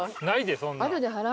ないでそんなん。